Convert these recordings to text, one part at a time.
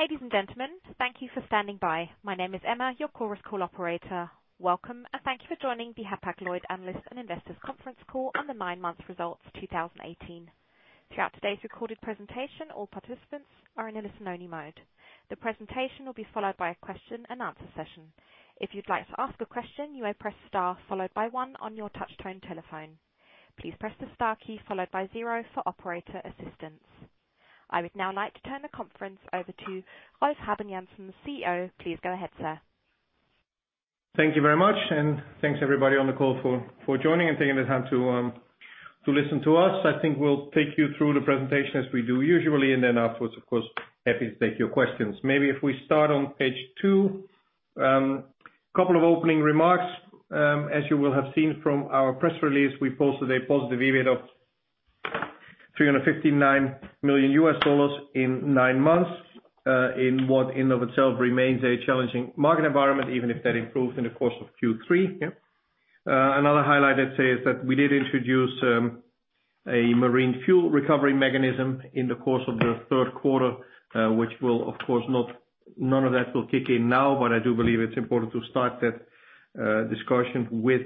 Ladies and gentlemen, thank you for standing by. My name is Emma, your Chorus Call operator. Welcome, and thank you for joining the Hapag-Lloyd Analysts and Investors Conference Call on the Nine Month Results 2018. Throughout today's recorded presentation, all participants are in a listen-only mode. The presentation will be followed by a question-and-answer session. If you'd like to ask a question, you may press star followed by one on your touch-tone telephone. Please press the star key followed by zero for operator assistance. I would now like to turn the conference over to Rolf Habben Jansen, the CEO. Please go ahead, Sir. Thank you very much, and thanks everybody on the call for joining and taking the time to listen to us. I think we'll take you through the presentation as we do usually, and then afterwards, of course, happy to take your questions. Maybe if we start on page two. Couple of opening remarks. As you will have seen from our press release, we posted a positive EBIT of $359 million in nine months, in and of itself remains a challenging market environment, even if that improved in the course of Q3. Another highlight I'd say is that we did introduce a Marine Fuel Recovery mechanism in the course of the third quarter, which will, of course, not... None of that will kick in now, but I do believe it's important to start that discussion with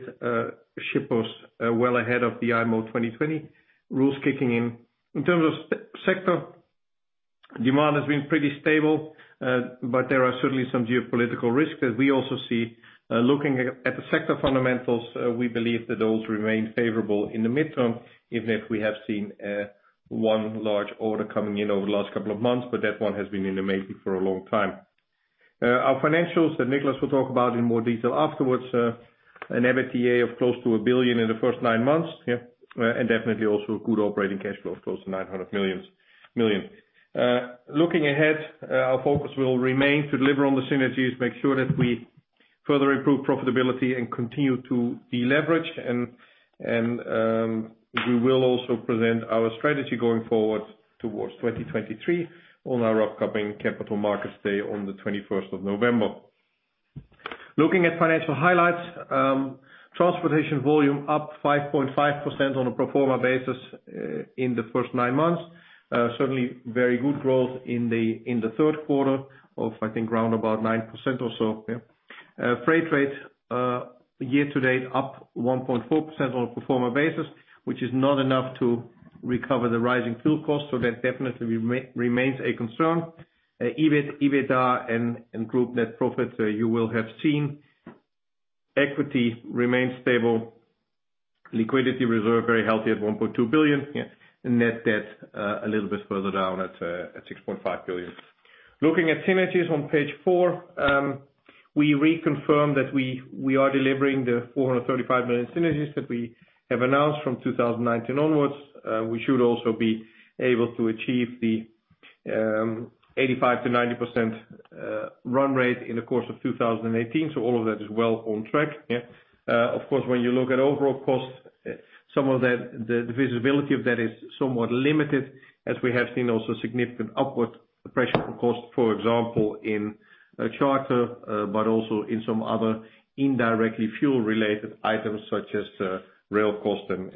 shippers well ahead of the IMO 2020 rules kicking in. In terms of sector, demand has been pretty stable, but there are certainly some geopolitical risks, as we also see. Looking at the sector fundamentals, we believe that those remain favorable in the midterm, even if we have seen one large order coming in over the last couple of months, but that one has been in the making for a long time. Our financials that Nicolás will talk about in more detail afterwards, an EBITDA of close to 1 billion in the first nine months, and definitely also a good operating cash flow of close to 900 million. Looking ahead, our focus will remain to deliver on the synergies, make sure that we further improve profitability and continue to deleverage, and we will also present our strategy going forward towards 2023 on our upcoming Capital Markets Day on the November 21st. Looking at financial highlights, transportation volume up 5.5% on a pro forma basis in the first nine months. Certainly, very good growth in the third quarter of around about 9% or so. Freight rates year to date up 1.4% on a pro forma basis, which is not enough to recover the rising fuel costs, so that definitely remains a concern. EBIT, EBITDA and group net profits you will have seen. Equity remains stable. Liquidity reserve very healthy at $1.2 billion. Net debt a little bit further down at $6.5 billion. Looking at synergies on page four, we reconfirm that we are delivering the $435 million synergies that we have announced from 2019 onwards. We should also be able to achieve the 85%-90% run rate in the course of 2018. All of that is well on track. Of course, when you look at overall costs, some of that the visibility of that is somewhat limited, as we have seen also significant upward pressure on costs, for example, in charter but also in some other indirectly fuel-related items such as rail cost and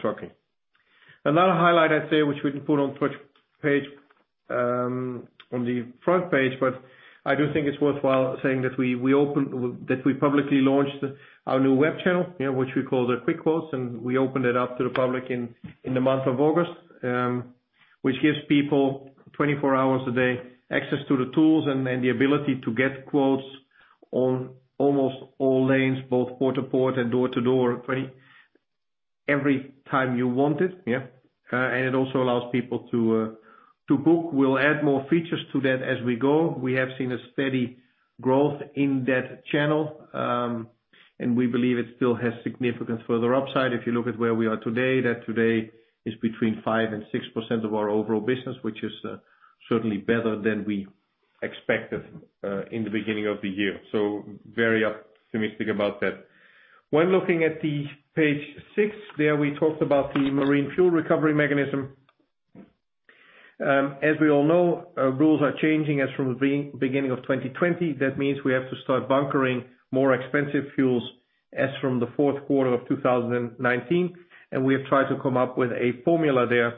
trucking. Another highlight I'd say, which we didn't put on the front page, but I do think it's worthwhile saying that we publicly launched our new web channel, which we call Quick Quotes, and we opened it up to the public in the month of August, which gives people 24 hours a day access to the tools and the ability to get quotes on almost all lanes, both port to port and door to door, every time you want it. It also allows people to book. We'll add more features to that as we go. We have seen a steady growth in that channel, and we believe it still has significant further upside. If you look at where we are today, that today is between 5%-6% of our overall business, which is certainly better than we expected in the beginning of the year. Very optimistic about that. When looking at page six, there we talked about the Marine Fuel Recovery mechanism. As we all know, rules are changing as from the beginning of 2020. That means we have to start bunkering more expensive fuels as from the fourth quarter of 2019, and we have tried to come up with a formula there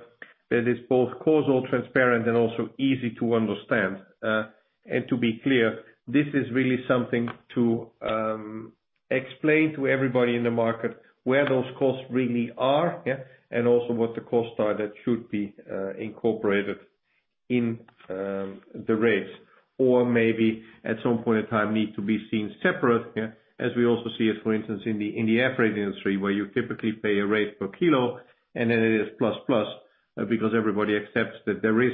that is both cost-neutral, transparent, and also easy to understand. To be clear, this is really something to explain to everybody in the market where those costs really are, and also what the costs are that should be incorporated in the rates, or maybe at some point in time need to be seen separate, as we also see it, for instance, in the air freight industry, where you typically pay a rate per kilo, and then it is plus plus, because everybody accepts that there is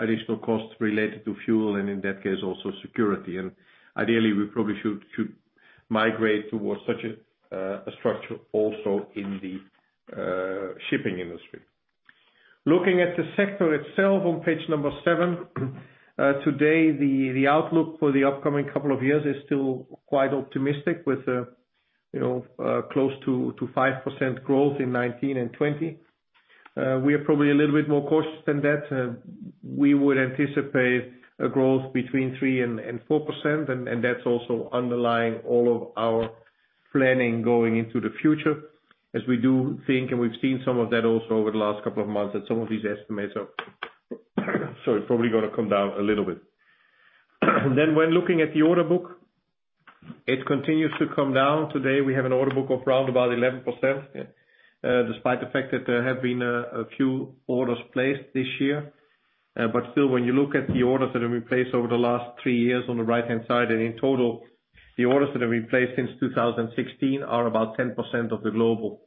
additional costs related to fuel, and in that case, also security. Ideally, we probably should migrate towards such a structure also in the shipping industry. Looking at the sector itself on page number seven, today the outlook for the upcoming couple of years is still quite optimistic with, you know, close to 5% growth in 2019 and 2020. We are probably a little bit more cautious than that. We would anticipate a growth between 3% and 4%, and that's also underlying all of our planning going into the future, as we do think, and we've seen some of that also over the last couple of months, that some of these estimates are sorry, probably gonna come down a little bit. When looking at the order book, it continues to come down. Today, we have an order book of around 11%, despite the fact that there have been a few orders placed this year. Still, when you look at the orders that have been placed over the last three years on the right-hand side, and in total, the orders that have been placed since 2016 are about 10% of the global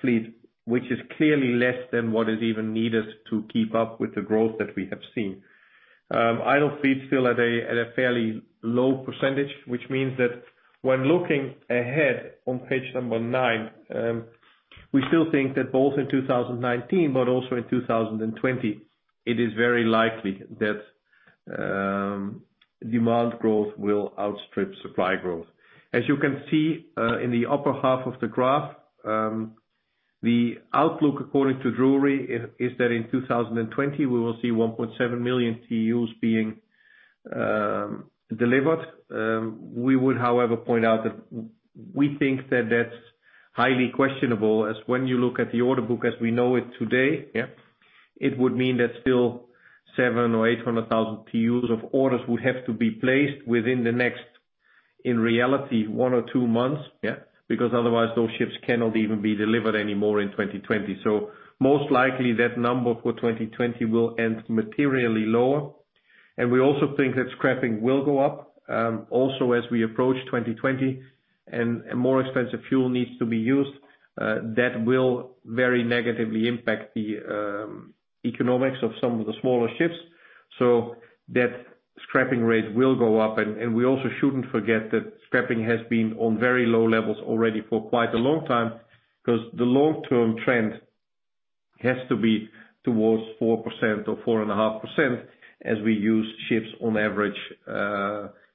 fleet, which is clearly less than what is even needed to keep up with the growth that we have seen. Idle fleet's still at a fairly low percentage, which means that when looking ahead on page nine, we still think that both in 2019, but also in 2020, it is very likely that demand growth will outstrip supply growth. As you can see, in the upper half of the graph, the outlook according to Drewry is that in 2020, we will see 1.7 million TEUs being delivered. We would, however, point out that we think that that's highly questionable, as when you look at the order book as we know it today, yeah, it would mean that still 700,000-800,000 TEUs of orders would have to be placed within the next, in reality, one or two months, yeah, because otherwise those ships cannot even be delivered anymore in 2020. Most likely that number for 2020 will end materially lower. We also think that scrapping will go up, also, as we approach 2020 and more expensive fuel needs to be used, that will very negatively impact the economics of some of the smaller ships. That scrapping rate will go up. We also shouldn't forget that scrapping has been on very low levels already for quite a long time, 'cause the long-term trend has to be towards 4% or 4.5% as we use ships on average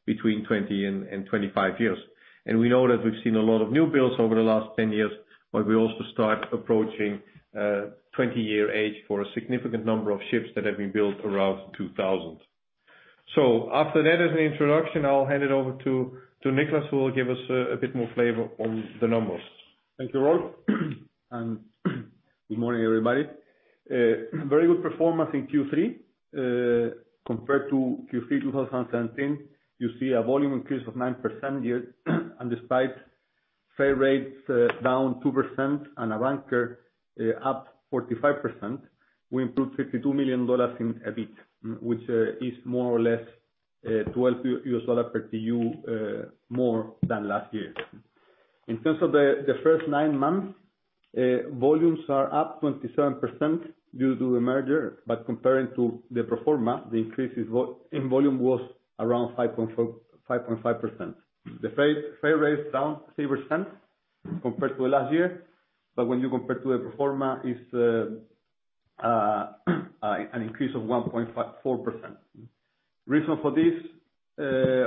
between 20 and 25 years. We know that we've seen a lot of new builds over the last 10 years, but we also start approaching 20-year age for a significant number of ships that have been built around 2000. After that as an introduction, I'll hand it over to Nicolás, who will give us a bit more flavor on the numbers. Thank you, Rolf. Good morning, everybody. Very good performance in Q3. Compared to Q3 2017, you see a volume increase of 9% year. Despite freight rates down 2% and our bunker up 45%, we improved $52 million in EBIT, which is more or less $12 per TEU more than last year. In terms of the first nine months, volumes are up 27% due to the merger, but comparing to the pro forma, the increase in volume was around 5.5%. Freight rates down 3% compared to last year, but when you compared to the pro forma is an increase of 1.4%. Reason for this,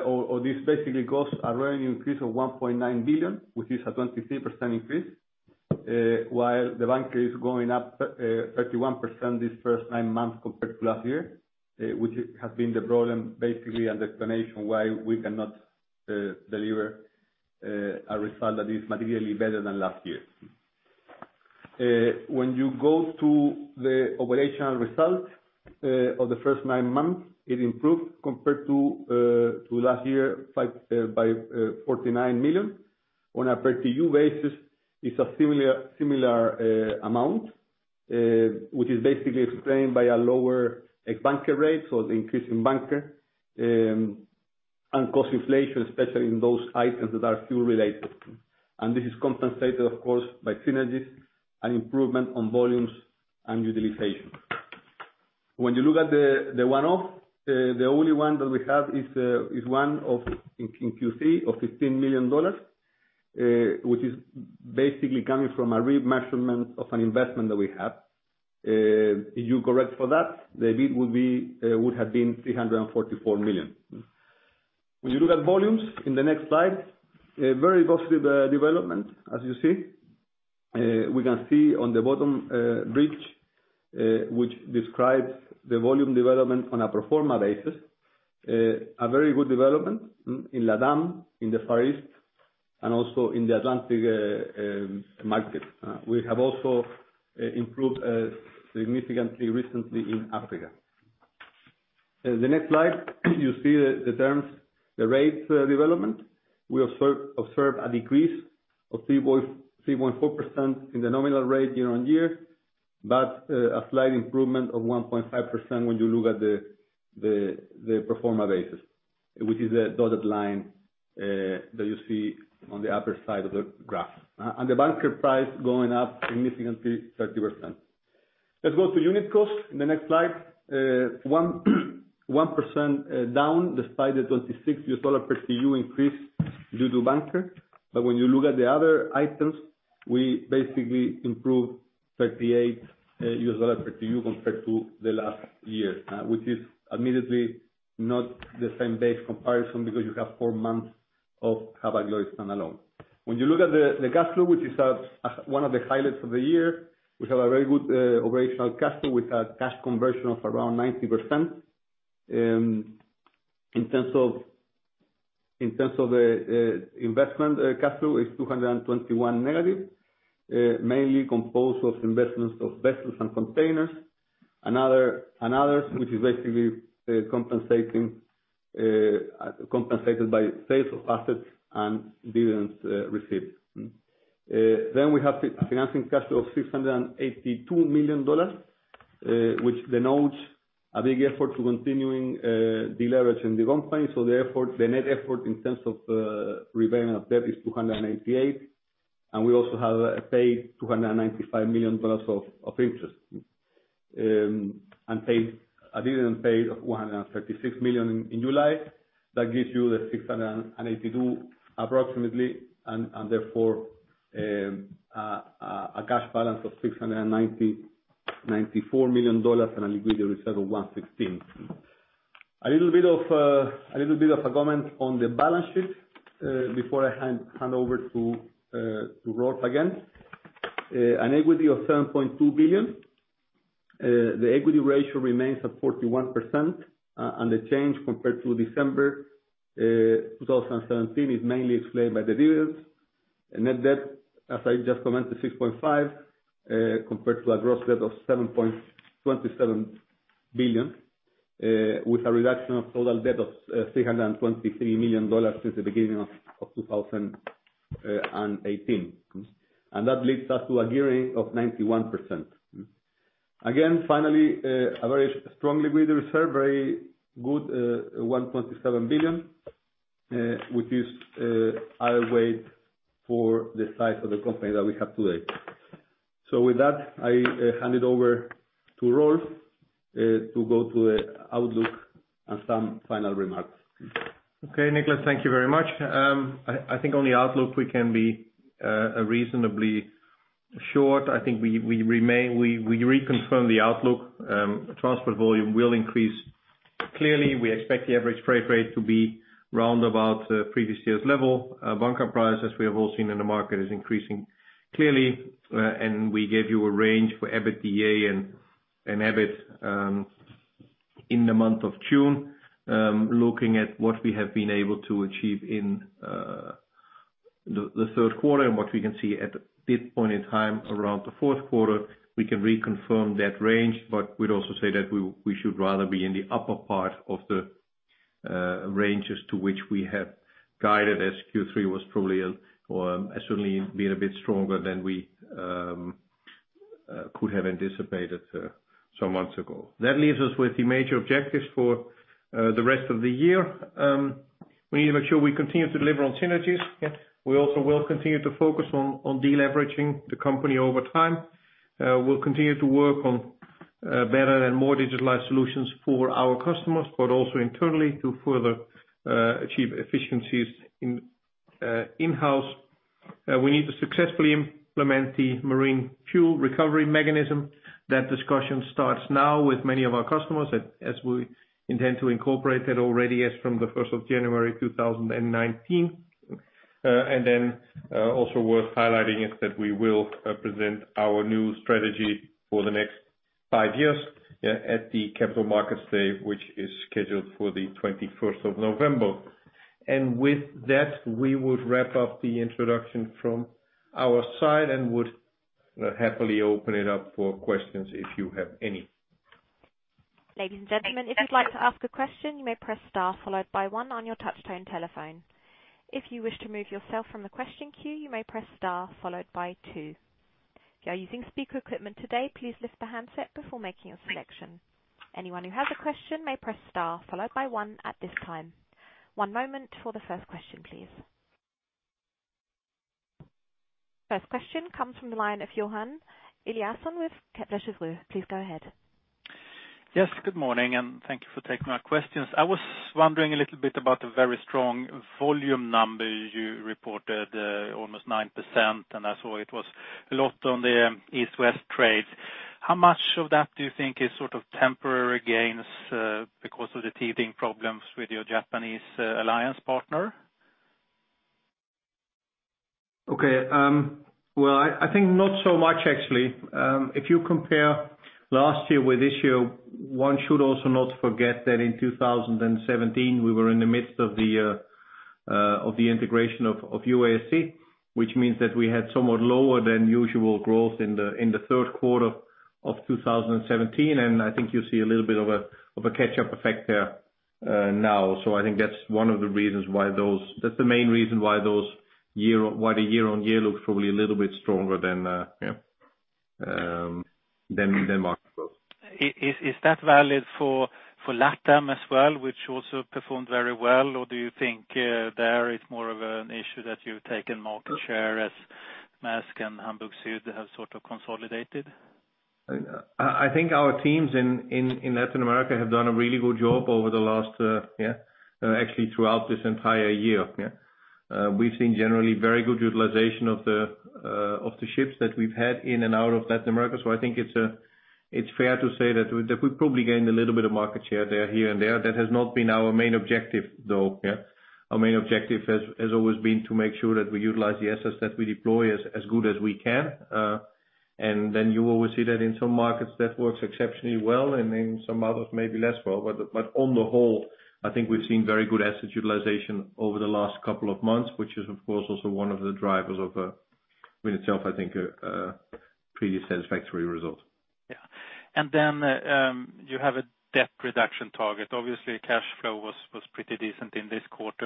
or this basically caused a revenue increase of $1.9 billion, which is a 23% increase. While the bunker is going up 31% this first nine months compared to last year, which has been the problem basically, and explanation why we cannot deliver a result that is materially better than last year. When you go to the operational results of the first nine months, it improved compared to last year by $49 million. On a per TEU basis, it's a similar amount, which is basically explained by a lower, like bunker rate, so the increase in bunker and cost inflation, especially in those items that are fuel-related. This is compensated, of course, by synergies and improvement on volumes and utilization. When you look at the one-off, the only one that we have is one in Q3 of $15 million, which is basically coming from a remeasurement of an investment that we have. If you correct for that, the EBIT would have been $344 million. When you look at volumes in the next slide, a very positive development, as you see. We can see on the bottom bridge, which describes the volume development on a pro forma basis. A very good development in LATAM, in the Far East, and also in the Atlantic market. We have also improved significantly recently in Africa. The next slide, you see the terms, the rates development. We observe a decrease of 3.4% in the nominal rate year-on-year, but a slight improvement of 1.5% when you look at the pro forma basis, which is the dotted line that you see on the upper side of the graph. The bunker price going up significantly 30%. Let's go to unit cost in the next slide. 1% down, despite the $26 per TEU increase due to bunker. When you look at the other items, we basically improved $38 per TEU compared to the last year. Which is admittedly not the same base comparison because you have four months of Hapag-Lloyd standalone. When you look at the cash flow, which is one of the highlights of the year, we have a very good operational cash flow with a cash conversion of around 90%. In terms of investment cash flow is -$221 million, mainly composed of investments of vessels and containers. Another which is basically compensated by sales of assets and dividends received. Then we have financing cash flow of $682 million, which denotes a big effort to continuing deleverage in the company. Therefore, the net effort in terms of repayment of debt is $288 million. We also have paid $295 million of interest. Paid a dividend of $136 million in July. That gives you the $682 million approximately, and therefore, a cash balance of $694 million and a liquidity reserve of $116 million. A little bit of a comment on the balance sheet before I hand over to Rolf again. An equity of $7.2 billion. The equity ratio remains at 41%. The change compared to December 2017 is mainly explained by the dividends. A net debt, as I just commented, $6.5 billion compared to a gross debt of $7.27 billion with a reduction of total debt of $323 million since the beginning of 2018. That leads us to a gearing of 91%. Again, finally, a very strong liquidity reserve, a very good $1.7 billion, which is a weight for the size of the company that we have today. With that, I hand it over to Rolf to go through the outlook and some final remarks. Okay, Nicolás, thank you very much. I think on the outlook, we can be reasonably short. I think we remain. We reconfirm the outlook. Transport volume will increase. Clearly, we expect the average freight rate to be round about previous year's level. Bunker prices, we have all seen in the market, is increasing clearly. We gave you a range for EBITDA and EBIT in the month of June. Looking at what we have been able to achieve in the third quarter and what we can see at this point in time around the fourth quarter, we can reconfirm that range. We'd also say that we should rather be in the upper part of the ranges to which we have guided as Q3 was probably or has certainly been a bit stronger than we could have anticipated some months ago. That leaves us with the major objectives for the rest of the year. We need to make sure we continue to deliver on synergies. We also will continue to focus on deleveraging the company over time. We'll continue to work on better and more digitalized solutions for our customers, but also internally to further achieve efficiencies in-house. We need to successfully implement the Marine Fuel Recovery mechanism. That discussion starts now with many of our customers as we intend to incorporate that already as from the first of January 2019. Also worth highlighting is that we will present our new strategy for the next five years at the Capital Markets Day, which is scheduled for the November 21st. With that, we would wrap up the introduction from our side and would happily open it up for questions if you have any. Ladies and gentlemen, if you would like to ask a question, you may press star followed by one on your touchtone telephone. If you wish to move yourself from the question queue. You may press star followed by two. If you are using speaker equipment today. Please lift the handset before making your selection. Anyone who has a question may press star followed by one at this time. One moment for the first question, please. First question comes from the line of Johan Eliason with Kepler Cheuvreux. Please go ahead. Yes, good morning, and thank you for taking my questions. I was wondering a little bit about the very strong volume number you reported, almost 9%, and I saw it was a lot on the East-West trades. How much of that do you think is sort of temporary gains, because of the teething problems with your Japanese alliance partner? Okay. Well, I think not so much actually. If you compare last year with this year, one should also not forget that in 2017, we were in the midst of the integration of UASC, which means that we had somewhat lower than usual growth in the third quarter of 2017. I think you see a little bit of a catch-up effect there now. I think that's one of the reasons why that's the main reason why the year-on-year looks probably a little bit stronger than market growth. Is that valid for LATAM as well, which also performed very well? Or do you think there is more of an issue that you've taken market share as Maersk and Hamburg Süd have sort of consolidated? I think our teams in Latin America have done a really good job over the last actually throughout this entire year. We've seen generally very good utilization of the ships that we've had in and out of Latin America. I think it's fair to say that we've probably gained a little bit of market share there, here and there. That has not been our main objective, though. Our main objective has always been to make sure that we utilize the assets that we deploy as good as we can. You always see that in some markets that works exceptionally well, and in some others, maybe less well. On the whole, I think we've seen very good asset utilization over the last couple of months, which is, of course, also one of the drivers of in itself, I think, a pretty satisfactory result. You have a debt reduction target. Obviously, cash flow was pretty decent in this quarter.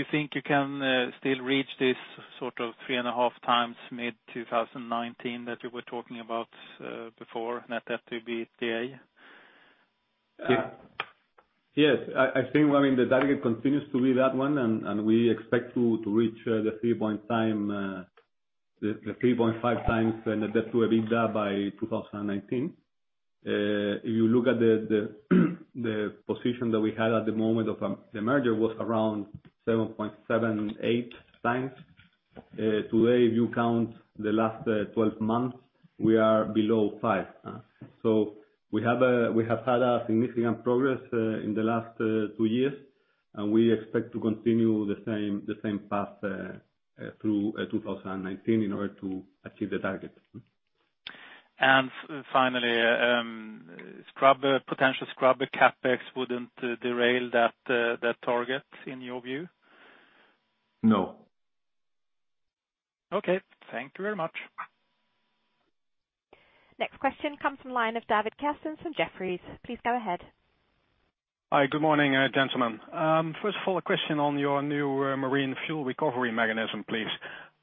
Do you think you can still reach this sort of 3.5x mid-2019 that you were talking about before, net debt to EBITDA? Yes. I think, I mean, the target continues to be that one, and we expect to reach the 3.5x in the debt to EBITDA by 2019. If you look at the position that we had at the moment of the merger was around 7.7x-8x. Today, if you count the last 12 months, we are below five. So we have had significant progress in the last two years, and we expect to continue the same path through 2019 in order to achieve the target. Finally, potential scrubber CapEx wouldn't derail that target in your view? No. Okay. Thank you very much. Next question comes from the line of David Kerstens from Jefferies. Please go ahead. Hi, good morning, gentlemen. First of all, a question on your new marine fuel recovery mechanism, please.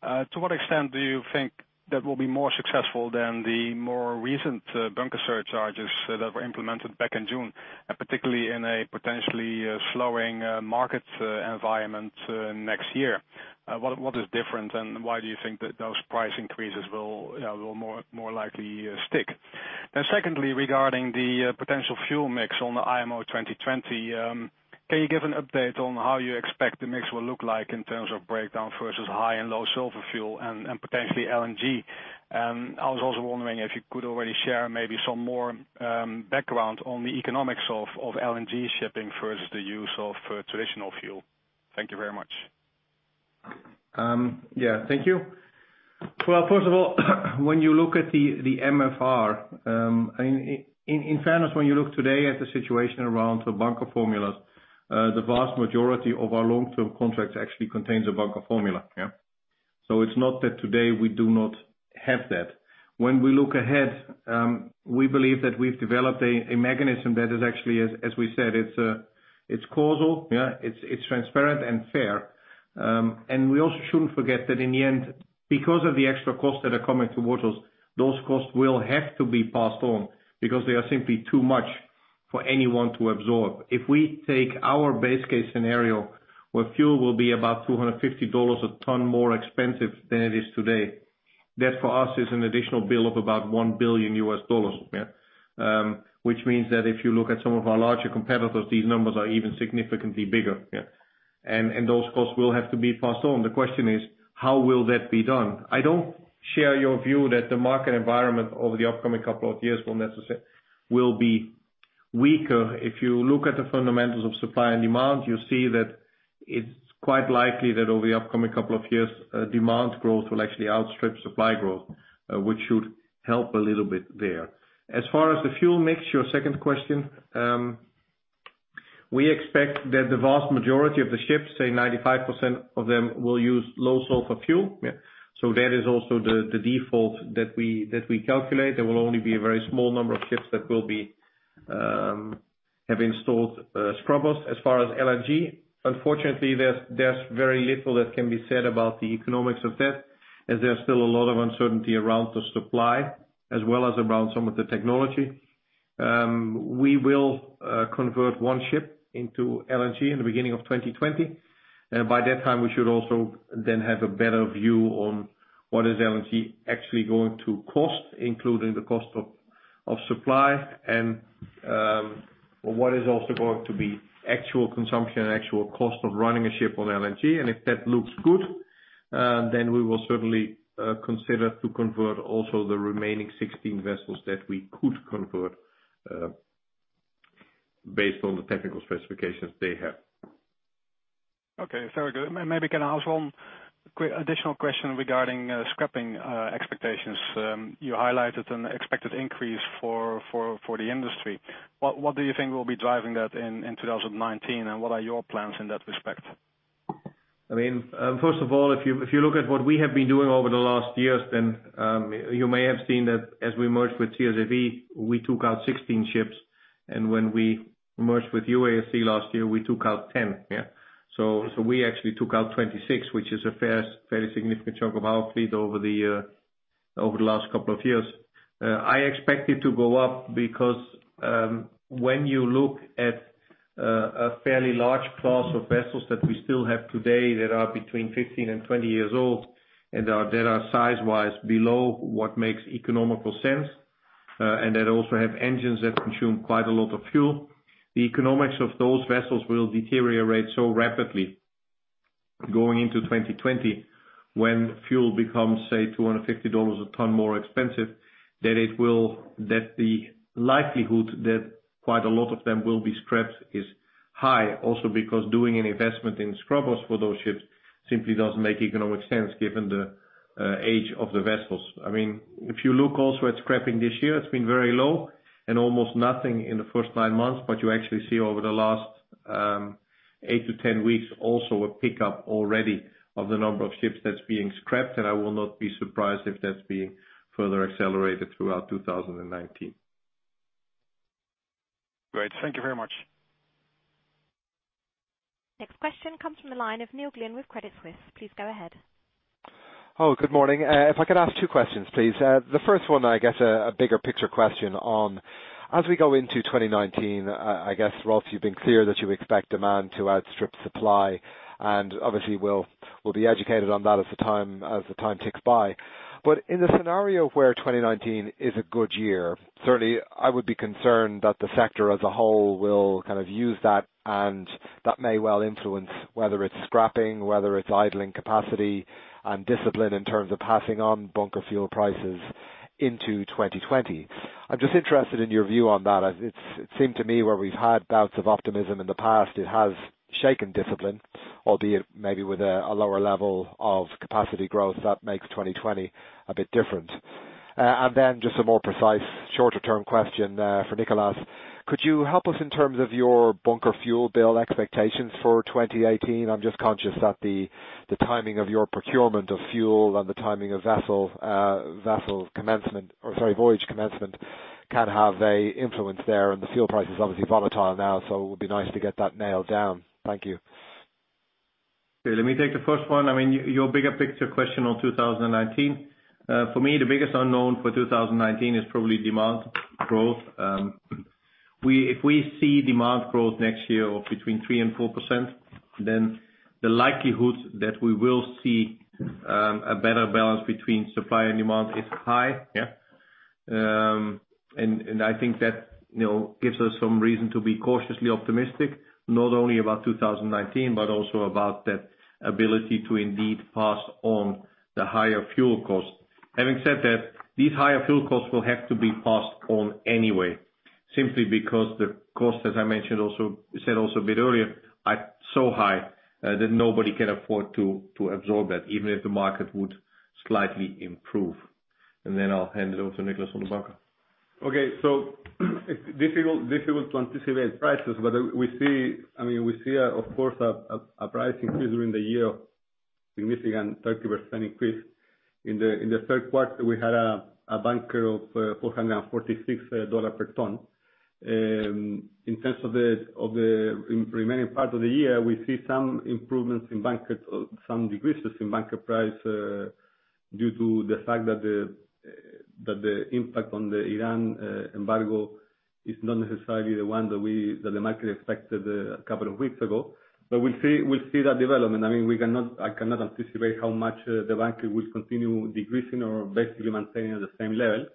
To what extent do you think that will be more successful than the more recent bunker surcharges that were implemented back in June, and particularly in a potentially slowing market environment next year? What is different, and why do you think that those price increases will, you know, more likely stick? Now secondly, regarding the potential fuel mix on the IMO 2020, can you give an update on how you expect the mix will look like in terms of breakdown versus high and low sulfur fuel and potentially LNG? I was also wondering if you could already share maybe some more background on the economics of LNG shipping versus the use of traditional fuel. Thank you very much. Thank you. Well, first of all, when you look at the MFR, in fairness, when you look today at the situation around the bunker formulas, the vast majority of our long-term contracts actually contains a bunker formula. It's not that today we do not have that. When we look ahead, we believe that we've developed a mechanism that is actually, as we said, it's causal. It's transparent and fair. We also shouldn't forget that in the end, because of the extra costs that are coming towards us, those costs will have to be passed on because they are simply too much for anyone to absorb. If we take our base case scenario, where fuel will be about $250 a ton more expensive than it is today, that for us is an additional bill of about $1 billion, yeah? Which means that if you look at some of our larger competitors, these numbers are even significantly bigger, yeah. Those costs will have to be passed on. The question is, how will that be done? I don't share your view that the market environment over the upcoming couple of years will necessarily be weaker. If you look at the fundamentals of supply and demand, you'll see that it's quite likely that over the upcoming couple of years, demand growth will actually outstrip supply growth, which should help a little bit there. As far as the fuel mix, your second question, we expect that the vast majority of the ships, say 95% of them, will use low sulfur fuel. That is also the default that we calculate. There will only be a very small number of ships that will have installed scrubbers. As far as LNG, unfortunately, there's very little that can be said about the economics of that, as there's still a lot of uncertainty around the supply, as well as around some of the technology. We will convert one ship into LNG in the beginning of 2020. By that time, we should also then have a better view on what is LNG actually going to cost, including the cost of supply and what is also going to be actual consumption and actual cost of running a ship on LNG. If that looks good, then we will certainly consider to convert also the remaining 16 vessels that we could convert, based on the technical specifications they have. Okay, very good. Can I ask one additional question regarding scrapping expectations? You highlighted an expected increase for the industry. What do you think will be driving that in 2019, and what are your plans in that respect? I mean, first of all, if you look at what we have been doing over the last years, then you may have seen that as we merged with CSAV, we took out 16 ships. When we merged with UASC last year, we took out 10. We actually took out 26, which is a fairly significant chunk of our fleet over the last couple of years. I expect it to go up because when you look at a fairly large class of vessels that we still have today that are between 15 and 20 years old and that are size-wise below what makes economic sense and that also have engines that consume quite a lot of fuel, the economics of those vessels will deteriorate so rapidly going into 2020 when fuel becomes, say, $250 a ton more expensive, that the likelihood that quite a lot of them will be scrapped is high also because doing an investment in scrubbers for those ships simply doesn't make economic sense given the age of the vessels. I mean, if you look also at scrapping this year, it's been very low and almost nothing in the first nine months. You actually see over the last eight to 10 weeks also a pickup already of the number of ships that's being scrapped, and I will not be surprised if that's being further accelerated throughout 2019. Great. Thank you very much. Next question comes from the line of Neil Glynn with Credit Suisse. Please go ahead. Oh, good morning. If I could ask two questions, please. The first one, I guess, a bigger picture question on as we go into 2019, I guess, Rolf, you've been clear that you expect demand to outstrip supply, and obviously we'll be educated on that as the time ticks by. In the scenario where 2019 is a good year, certainly I would be concerned that the sector as a whole will kind of use that, and that may well influence whether it's scrapping, whether it's idling capacity and discipline in terms of passing on bunker fuel prices into 2020. I'm just interested in your view on that. It seemed to me where we've had bouts of optimism in the past, it has shaken discipline, albeit maybe with a lower level of capacity growth that makes 2020 a bit different. Just a more precise shorter-term question for Nicolás. Could you help us in terms of your bunker fuel bill expectations for 2018? I'm just conscious that the timing of your procurement of fuel and the timing of vessel commencement or voyage commencement can have an influence there. The fuel price is obviously volatile now, so it would be nice to get that nailed down. Thank you. Okay, let me take the first one. I mean, your bigger picture question on 2019. For me, the biggest unknown for 2019 is probably demand growth. If we see demand growth next year of between 3% and 4%, then the likelihood that we will see a better balance between supply and demand is high. And I think that, you know, gives us some reason to be cautiously optimistic, not only about 2019, but also about that ability to indeed pass on the higher fuel costs. Having said that, these higher fuel costs will have to be passed on anyway, simply because the cost, as I mentioned earlier, are so high that nobody can afford to absorb that, even if the market would slightly improve. I'll hand it over to Nicolás on the bunker. It's difficult to anticipate prices, but we see, I mean, of course, a price increase during the year witnessing a 30% increase. In the third quarter, we had a bunker of $446 per ton. In terms of the remaining part of the year, we see some improvements in bunker, some decreases in bunker price, due to the fact that the impact on the Iran embargo is not necessarily the one that the market expected a couple of weeks ago. We'll see that development. I mean, we cannot, I cannot anticipate how much the bunker will continue decreasing or basically maintaining at the same level.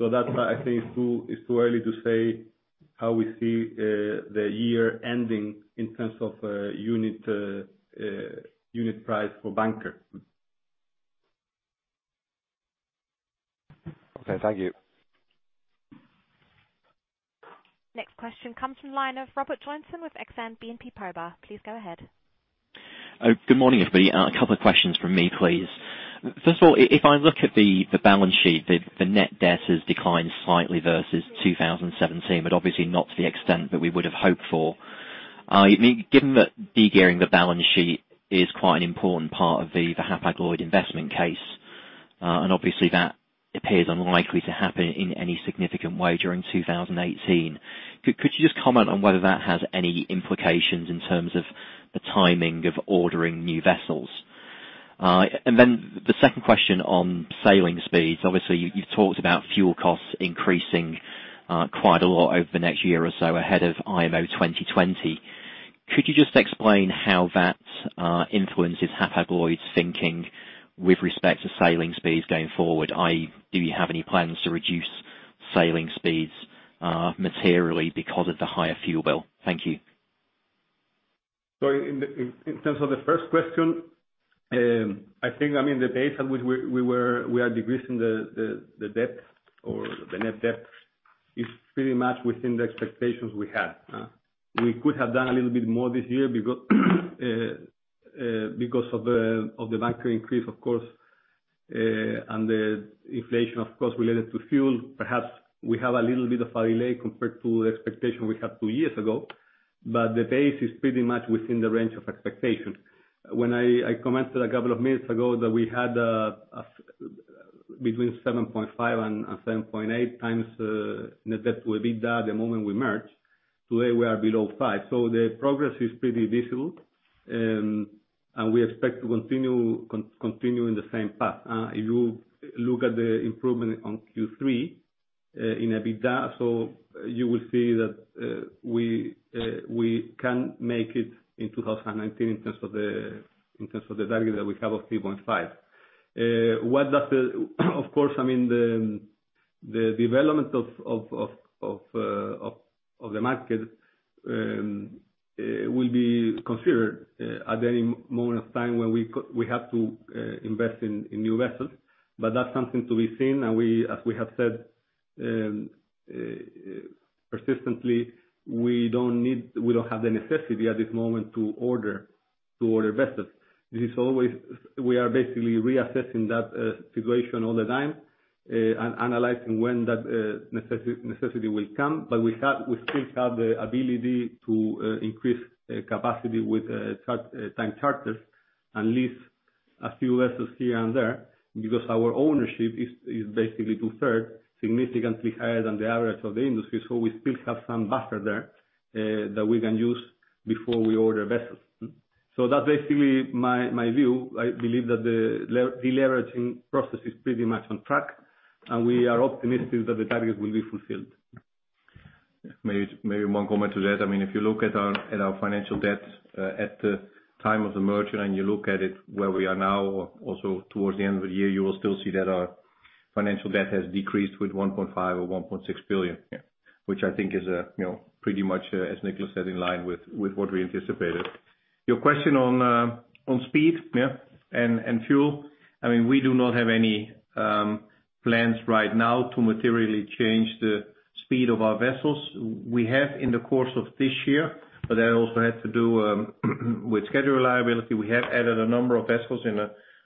That's why I think it's too early to say how we see the year ending in terms of unit price for bunker. Okay, thank you. Next question comes from line of Robert Joynson with Exane BNP Paribas. Please go ahead. Good morning, everybody. A couple of questions from me, please. First of all, if I look at the balance sheet, the net debt has declined slightly versus 2017, but obviously not to the extent that we would have hoped for. Given that de-gearing the balance sheet is quite an important part of the Hapag-Lloyd investment case, and obviously that appears unlikely to happen in any significant way during 2018. Could you just comment on whether that has any implications in terms of the timing of ordering new vessels? And then the second question on sailing speeds. Obviously, you've talked about fuel costs increasing quite a lot over the next year or so ahead of IMO 2020. Could you just explain how that influences Hapag-Lloyd's thinking with respect to sailing speeds going forward? Do you have any plans to reduce sailing speeds, materially because of the higher fuel bill? Thank you. In terms of the first question, I mean, the pace at which we are decreasing the debt or the net debt is pretty much within the expectations we had. We could have done a little bit more this year because of the bunker increase, of course, and the inflation, of course, related to fuel. Perhaps we have a little bit of a delay compared to the expectation we had two years ago, but the pace is pretty much within the range of expectation. When I commented a couple of minutes ago that we had between 7.5x and 7.8x net debt to EBITDA the moment we merged. Today, we are below five. The progress is pretty visible. We expect to continue continuing the same path. If you look at the improvement in Q3 in EBITDA, so you will see that we can make it in 2019 in terms of the value that we have of 3.5. Of course, I mean, the development of the market, it will be considered at any moment of time when we have to invest in new vessels. That's something to be seen. We, as we have said, persistently, we don't have the necessity at this moment to order vessels. We are basically reassessing that situation all the time, analyzing when that necessity will come. We still have the ability to increase capacity with time charters and lease a few vessels here and there, because our ownership is basically 2/3, significantly higher than the average of the industry. We still have some buffer there that we can use before we order vessels. That's basically my view. I believe that the deleveraging process is pretty much on track, and we are optimistic that the target will be fulfilled. Maybe one comment to that. I mean, if you look at our financial debt at the time of the merger, and you look at it where we are now, also towards the end of the year, you will still see that our financial debt has decreased with $1.5 billion or $1.6 billion. Yeah. Which I think is, you know, pretty much as Nicolás said, in line with what we anticipated. Your question on speed- Yeah. Fuel. I mean, we do not have any plans right now to materially change the speed of our vessels. We have in the course of this year, but that also had to do with schedule reliability. We have added a number of vessels in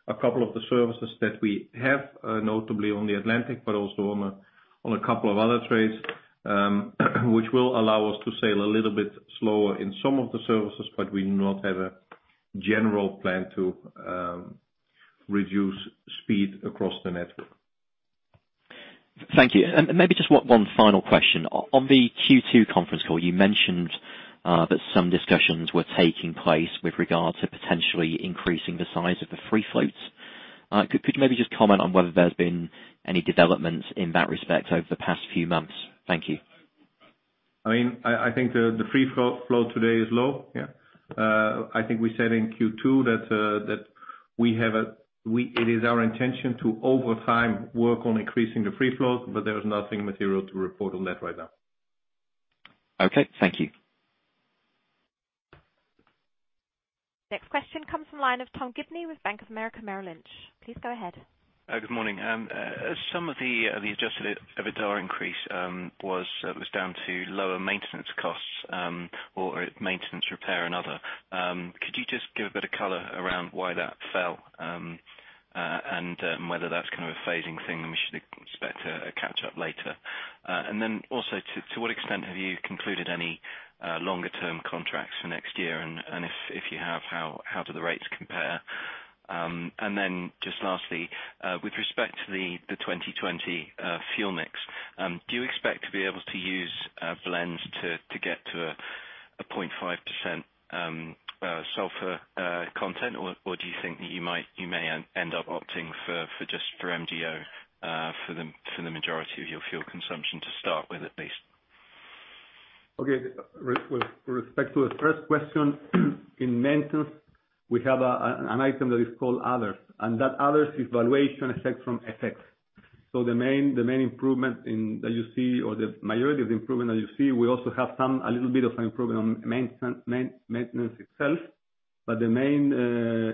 a couple of the services that we have, notably on the Atlantic, but also on a couple of other trades, which will allow us to sail a little bit slower in some of the services, but we do not have a general plan to reduce speed across the network. Thank you. Maybe just one final question. On the Q2 conference call, you mentioned that some discussions were taking place with regards to potentially increasing the size of the free floats. Could you maybe just comment on whether there's been any developments in that respect over the past few months? Thank you. I mean, I think the free float today is low. Yeah. I think we said in Q2 that it is our intention to over time, work on increasing the free float, but there is nothing material to report on that right now. Okay, thank you. Next question comes from the line of Tom Gibney with Bank of America Merrill Lynch. Please go ahead. Good morning. Some of the adjusted EBITDA increase was down to lower maintenance costs, or maintenance, repair and other. Could you just give a bit of color around why that fell, and whether that's kind of a phasing thing and we should expect a catch up later? To what extent have you concluded any longer term contracts for next year? If you have, how do the rates compare? Lastly, with respect to the 2020 fuel mix, do you expect to be able to use blends to get to a 0.5% sulfur content? Do you think that you may end up opting for just MDO for the majority of your fuel consumption to start with at least? With respect to the first question, in maintenance, we have an item that is called others, and that others is valuation effect from FX. The main improvement that you see or the majority of the improvement that you see, we also have some, a little bit of an improvement on maintenance itself. The main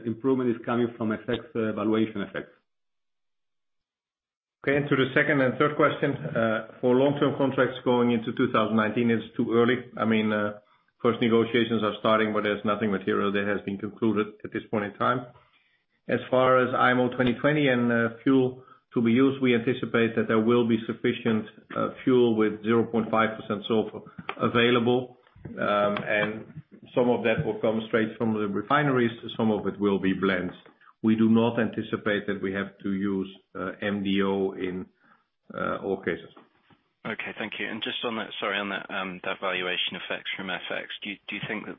improvement is coming from FX valuation effects. Okay. To the second and third question. For long-term contracts going into 2019, it's too early. I mean, first negotiations are starting, but there's nothing material that has been concluded at this point in time. As far as IMO 2020 and fuel to be used, we anticipate that there will be sufficient fuel with 0.5% sulfur available. Some of that will come straight from the refineries, some of it will be blends. We do not anticipate that we have to use MDO in all cases. Okay, thank you. Just on that, sorry, that valuation effects from FX. Do you think that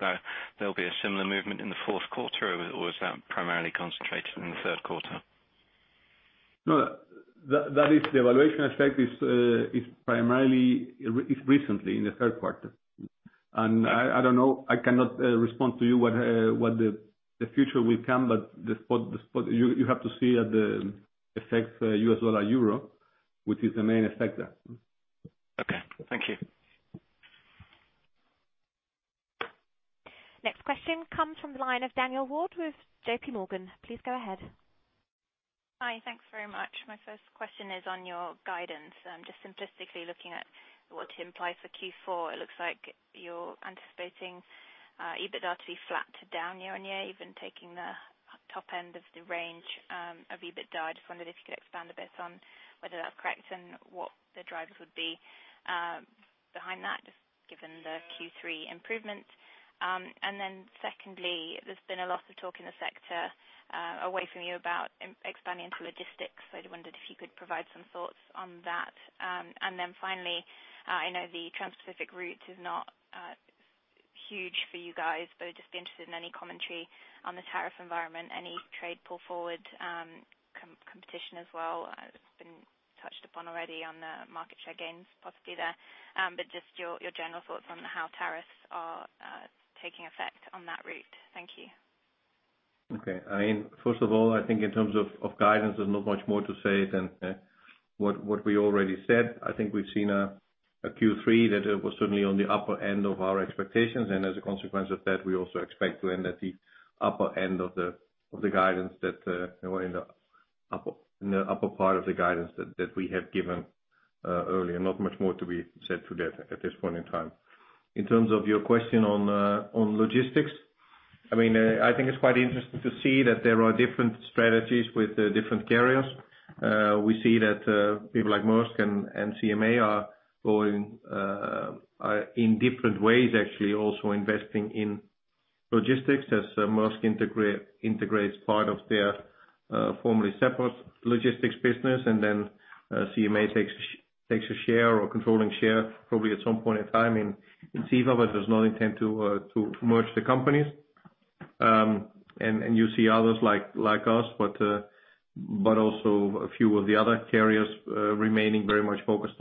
there'll be a similar movement in the fourth quarter, or was that primarily concentrated in the third quarter? No, that is the valuation effect primarily recently in the third quarter. I don't know. I cannot respond to you what the future will come, but the spot. You have to see at the FX, U.S. dollar-euro, which is the main effect there. Okay. Thank you. Next question comes from the line of Danielle Ward with JP Morgan. Please go ahead. Hi. Thanks very much. My first question is on your guidance. Just simplistically looking at what to imply for Q4, it looks like you're anticipating EBITDA to be flat to down year-over-year, even taking the top end of the range of EBITDA. Just wondered if you could expand a bit on whether that's correct and what the drivers would be behind that, just given the Q3 improvements. Secondly, there's been a lot of talk in the sector away from you about expanding into logistics. So, I just wondered if you could provide some thoughts on that. Finally, I know the Transpacific route is not huge for you guys, but I'd just be interested in any commentary on the tariff environment, any trade pull forward, competition as well. It's been touched upon already on the market share gains, possibly there. Just your general thoughts on how tariffs are taking effect on that route. Thank you. Okay. I mean, first of all, I think in terms of guidance, there's not much more to say than what we already said. I think we've seen a Q3 that was certainly on the upper end of our expectations. As a consequence of that, we also expect to end at the upper end of the guidance that we have given earlier. Not much more to be said to that at this point in time. In terms of your question on logistics, I mean, I think it's quite interesting to see that there are different strategies with the different carriers. We see that people like Maersk and CMA are going in different ways, actually also investing in logistics as Maersk integrates part of their formerly separate logistics business. Then CMA takes a share or controlling share probably at some point in time in CEVA but does not intend to merge the companies. You see others like us, but also a few of the other carriers remaining very much focused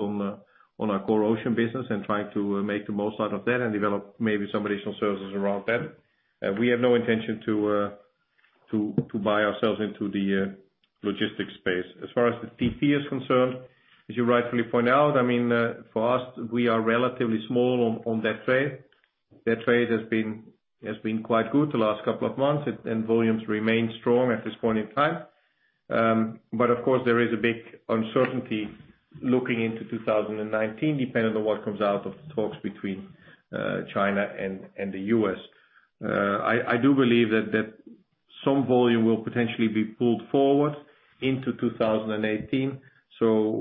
on our core ocean business and trying to make the most out of that and develop maybe some additional services around them. We have no intention to buy ourselves into the logistics space. As far as the TP is concerned, as you rightfully point out, I mean, for us, we are relatively small on that trade. That trade has been quite good the last couple of months. Volumes remain strong at this point in time. Of course, there is a big uncertainty looking into 2019, depending on what comes out of the talks between China and the U.S. I do believe that some volume will potentially be pulled forward into 2018.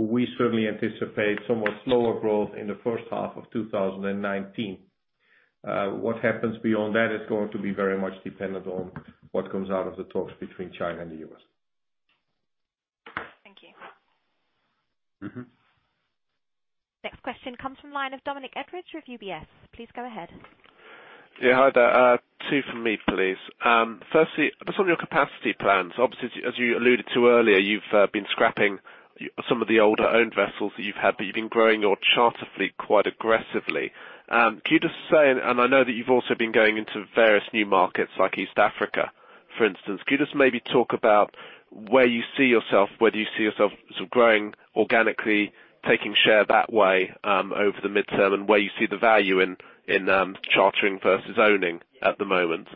We certainly anticipate somewhat slower growth in the first half of 2019. What happens beyond that is going to be very much dependent on what comes out of the talks between China and the U.S. Thank you. Mm-hmm. Next question comes from the line of Dominic Edye with UBS. Please go ahead. Yeah. Hi there. Two from me, please. Firstly, just on your capacity plans, obviously, as you alluded to earlier, you've been scrapping some of the older owned vessels that you've had, but you've been growing your charter fleet quite aggressively. Can you just say, and I know that you've also been going into various new markets like East Africa, for instance. Can you just maybe talk about where you see yourself, whether you see yourself sort of growing organically, taking share that way, over the midterm, and where you see the value in chartering versus owning at the moment,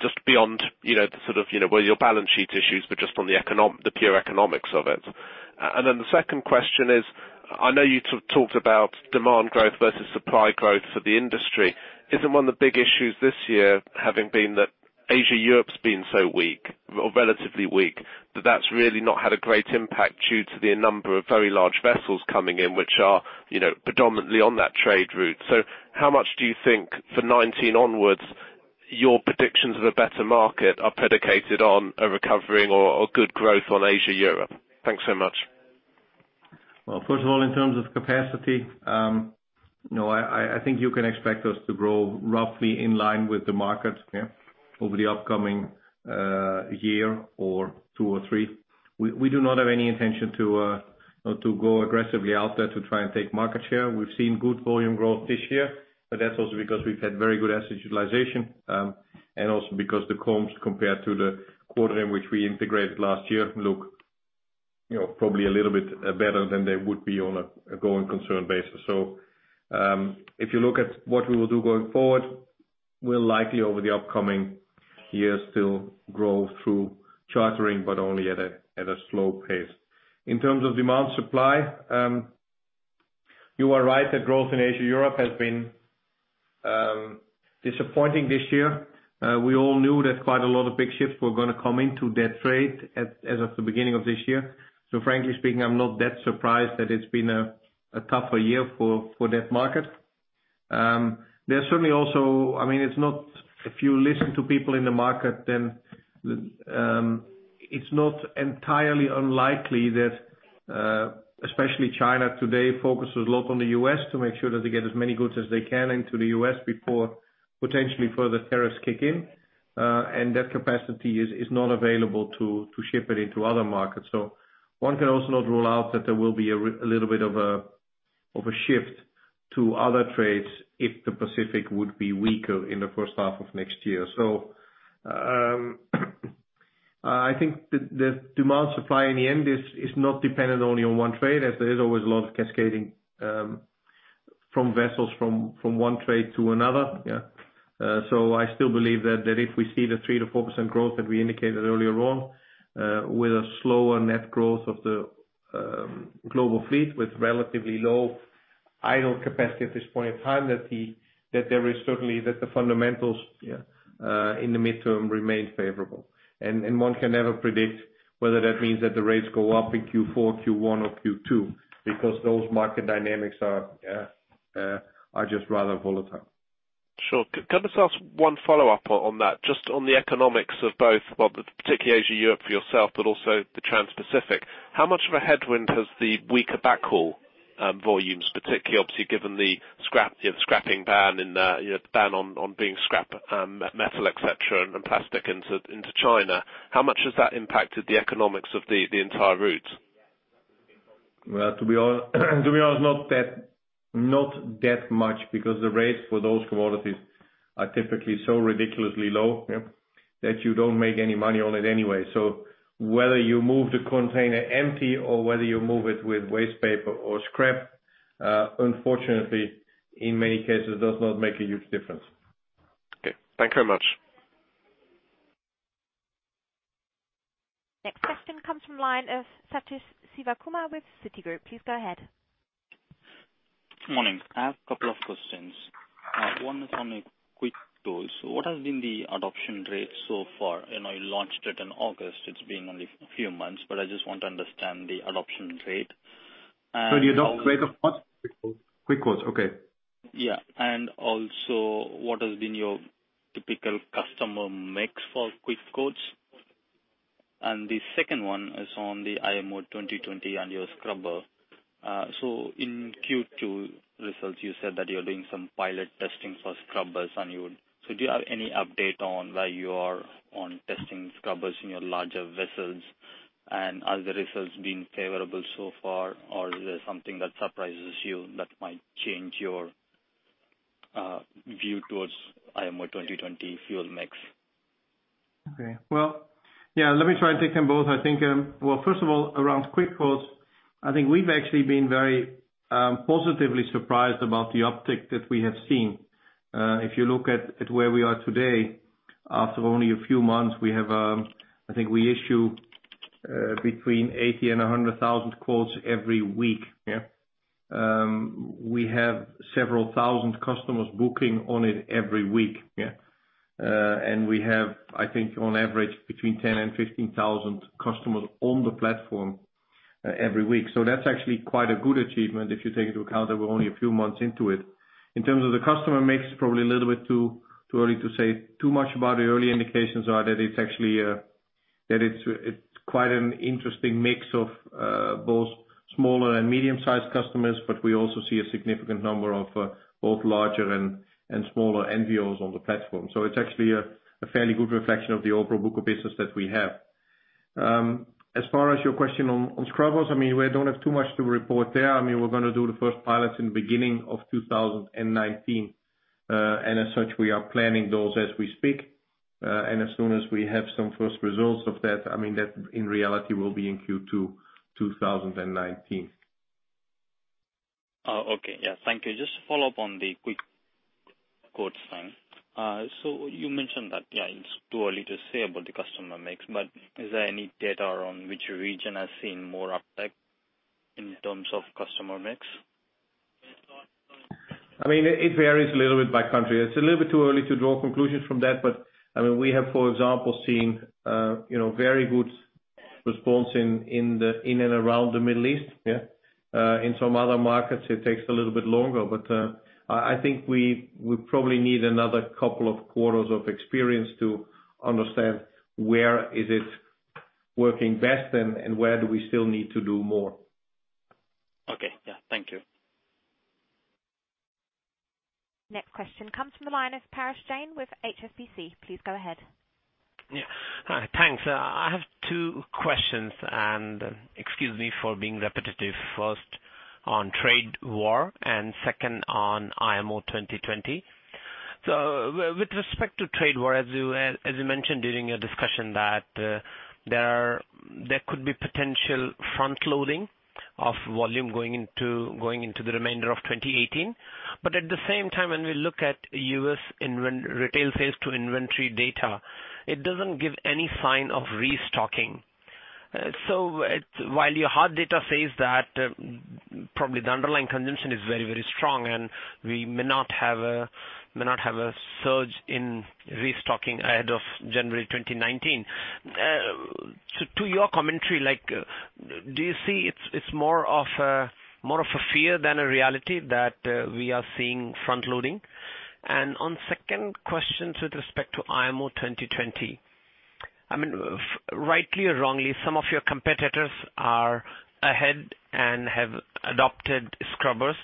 just beyond, you know, the sort of, you know, where your balance sheet issues, but just on the pure economics of it. Then the second question is, I know you talked about demand growth versus supply growth for the industry. Isn't one of the big issues this year having been that Asia-Europe's been so weak or relatively weak, that that's really not had a great impact due to the number of very large vessels coming in, which are, you know, predominantly on that trade route. How much do you think for 2019 onwards, your predictions of a better market are predicated on a recovering or good growth on Asia-Europe? Thanks so much. Well, first of all, in terms of capacity, you know, I think you can expect us to grow roughly in line with the market, yeah, over the upcoming year or two or three. We do not have any intention to go aggressively out there to try and take market share. We've seen good volume growth this year, but that's also because we've had very good asset utilization, and also because the comps compared to the quarter in which we integrated last year look, you know, probably a little bit better than they would be on a going concern basis. If you look at what we will do going forward, we'll likely over the upcoming years still grow through chartering, but only at a slow pace. In terms of demand supply, you are right that growth in Asia Europe has been disappointing this year. We all knew that quite a lot of big ships were gonna come into that trade as of the beginning of this year. Frankly speaking, I'm not that surprised that it's been a tougher year for that market. There's certainly also. I mean, it's not if you listen to people in the market, then it's not entirely unlikely that especially China today focuses a lot on the U.S. to make sure that they get as many goods as they can into the U.S. before potentially further tariffs kick in. That capacity is not available to ship it into other markets. One can also not rule out that there will be a little bit of a shift to other trades if the Pacific would be weaker in the first half of next year. I think the demand supply in the end is not dependent only on one trade, as there is always a lot of cascading from vessels from one trade to another. I still believe that if we see the 3%-4% growth that we indicated earlier on, with a slower net growth of the global fleet with relatively low idle capacity at this point in time, that there is certainly the fundamentals in the midterm remain favorable. One can never predict whether that means that the rates go up in Q4, Q1 or Q2, because those market dynamics are just rather volatile. Sure. Can I just ask one follow-up on that? Just on the economics of both, well, particularly Asia Europe for yourself, but also the Transpacific. How much of a headwind has the weaker backhaul volumes, particularly obviously given the scrap, you know, the scrapping ban and, you know, the ban on scrap metal, et cetera, and plastic into China, how much has that impacted the economics of the entire route? Well, to be honest, not that much because the rates for those commodities are typically so ridiculously low. Yeah. that you don't make any money on it anyway. Whether you move the container empty or whether you move it with waste paper or scrap, unfortunately, in many cases, does not make a huge difference. Okay. Thank you very much. Next question comes from the line of Sathish Sivakumar with Citigroup. Please go ahead. Morning. I have a couple of questions. One is on the Quick Quotes. What has been the adoption rate so far? I know you launched it in August. It's been only a few months, but I just want to understand the adoption rate. The adoption rate of what? Quick Quotes. Quick Quotes, okay. Yeah. What has been your typical customer mix for Quick Quotes? The second one is on the IMO 2020 and also scrubber. In Q2 results, you said that you're doing some pilot testing for scrubbers. Do you have any update on where you are on testing scrubbers in your larger vessels, and are the results been favorable so far, or is there something that surprises you that might change your view towards IMO 2020 fuel mix? Okay. Well, yeah, let me try and take them both. I think, well, first of all, around Quick Quotes, I think we've actually been very, positively surprised about the uptick that we have seen. If you look at where we are today, after only a few months, we have. I think we issue between 80,000 and 100,000 quotes every week. Yeah. We have several thousand customers booking on it every week. Yeah. And we have, I think on average, between 10,000 and 15,000 customers on the platform, every week. So that's actually quite a good achievement if you take into account that we're only a few months into it. In terms of the customer mix, probably a little bit too early to say too much about. The early indications are that it's actually quite an interesting mix of both smaller and medium-sized customers, but we also see a significant number of both larger and smaller NVOs on the platform. It's actually a fairly good reflection of the overall book of business that we have. As far as your question on scrubbers, I mean, we don't have too much to report there. I mean, we're gonna do the first pilots in the beginning of 2019, and as such, we are planning those as we speak. As soon as we have some first results of that, I mean that in reality will be in Q2 2019. Oh, okay. Yeah. Thank you. Just to follow up on the Quick Quotes thing. So you mentioned that, yeah, it's too early to say about the customer mix, but is there any data on which region has seen more uptake in terms of customer mix? I mean, it varies a little bit by country. It's a little bit too early to draw conclusions from that. I mean, we have, for example, seen, you know, very good response in and around the Middle East. Yeah. In some other markets, it takes a little bit longer. I think we probably need another couple of quarters of experience to understand where it is working best and where do we still need to do more. Okay. Yeah. Thank you. Next question comes from the line of Parash Jain with HSBC. Please go ahead. Yeah. Hi. Thanks. I have two questions, and excuse me for being repetitive. First, on trade war and second on IMO 2020. With respect to trade war, as you mentioned during your discussion that there could be potential front-loading of volume going into the remainder of 2018. At the same time, when we look at U.S. retail sales to inventory data, it doesn't give any sign of restocking. While your hard data says that, probably the underlying conviction is very strong, and we may not have a surge in restocking ahead of January 2019. To your commentary, like, do you see it's more of a fear than a reality that we are seeing front-loading? On second question with respect to IMO 2020, I mean, rightly or wrongly, some of your competitors are ahead and have adopted scrubbers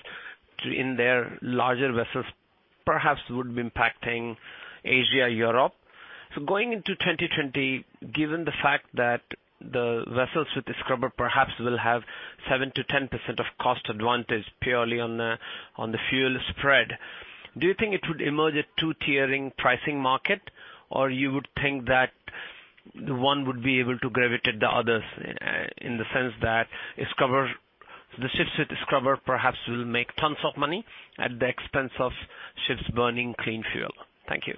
in their larger vessels, perhaps would be impacting Asia, Europe. Going into 2020, given the fact that the vessels with the scrubber perhaps will have 7%-10% cost advantage purely on the, on the fuel spread, do you think it would emerge a two-tiering pricing market, or you would think that one would be able to gravitate the others in the sense that a scrubber. The ships with the scrubber perhaps will make tons of money at the expense of ships burning clean fuel. Thank you.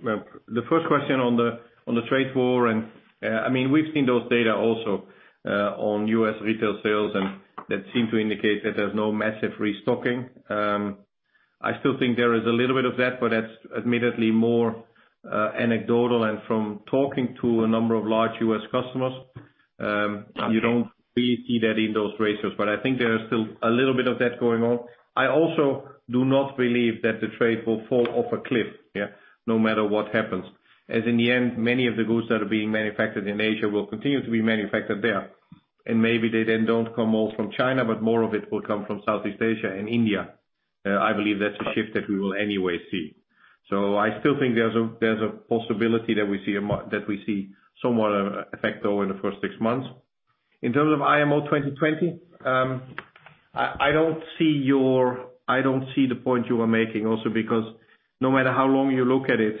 Well, the first question on the trade war and I mean, we've seen those data also on U.S. retail sales and that seem to indicate that there's no massive restocking. I still think there is a little bit of that, but that's admittedly more anecdotal. From talking to a number of large U.S. customers, you don't really see that in those ratios, but I think there is still a little bit of that going on. I also do not believe that the trade will fall off a cliff, yeah, no matter what happens. In the end, many of the goods that are being manufactured in Asia will continue to be manufactured there. Maybe they then don't come all from China, but more of it will come from Southeast Asia and India. I believe that's a shift that we will anyway see. I still think there's a possibility that we see somewhat of an effect over the first six months. In terms of IMO 2020, I don't see the point you are making also because no matter how long you look at it,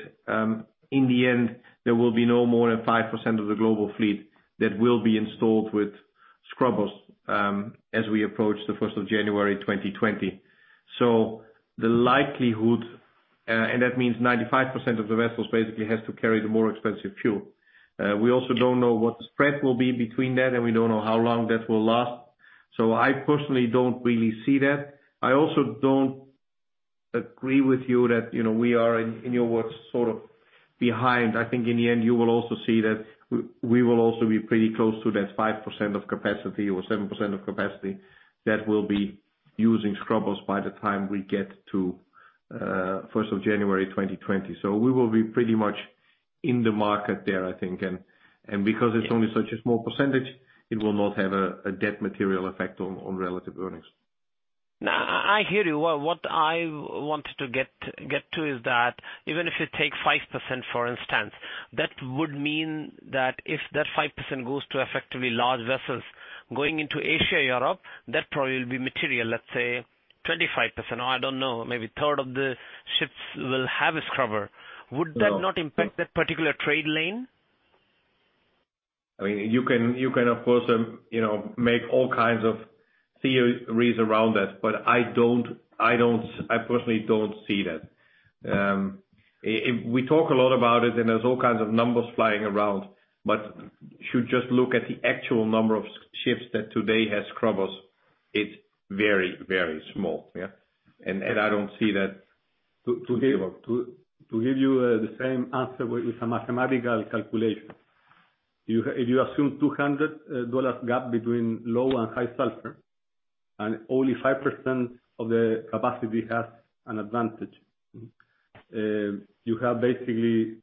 in the end, there will be no more than 5% of the global fleet that will be installed with scrubbers, as we approach the January first, 2020. That means 95% of the vessels basically has to carry the more expensive fuel. We also don't know what the spread will be between that, and we don't know how long that will last. I personally don't really see that. I also don't agree with you that, you know, we are in your words sort of behind. I think in the end, you will also see that we will also be pretty close to that 5% of capacity or 7% of capacity that will be using scrubbers by the time we get to first of January 2020. We will be pretty much in the market there, I think. Because it's only such a small percentage, it will not have a detrimental effect on relative earnings. No, I hear you. What I wanted to get to is that even if you take 5%, for instance, that would mean that if that 5% goes to effectively large vessels going into Asia, Europe, that probably will be material. Let's say 25%, or I don't know, maybe a third of the ships will have a scrubber. Would that not impact that particular trade lane? I mean, you can of course, you know, make all kinds of theories around that, but I don't, I personally don't see that. If we talk a lot about it, and there's all kinds of numbers flying around, but should just look at the actual number of ships that today has scrubbers, it's very, very small, yeah. I don't see that. To give you the same answer with a mathematical calculation. If you assume $200 gap between low and high sulfur, and only 5% of the capacity has an advantage. You have basically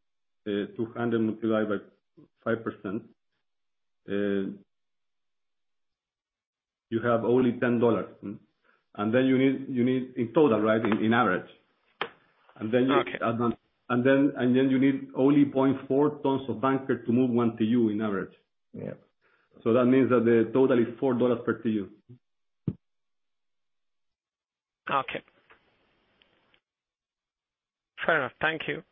$200 multiplied by 5%. You have only $10. Then you need in total, right, on average. Okay. You need only 0.4 tons of bunker to move one TEU on average. Yeah. That means that the total is $4 per TEU. Okay. Fair enough. Thank you.